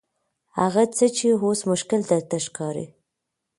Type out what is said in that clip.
هغه څه چې اوس مشکل درته ښکاري.